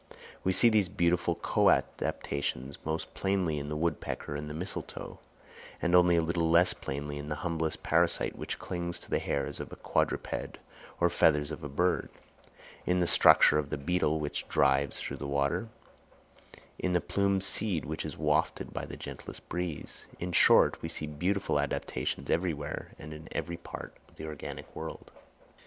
We see these beautiful co adaptations most plainly in the woodpecker and the mistletoe; and only a little less plainly in the humblest parasite which clings to the hairs of a quadruped or feathers of a bird; in the structure of the beetle which dives through the water; in the plumed seed which is wafted by the gentlest breeze; in short, we see beautiful adaptations everywhere and in every part of the organic world.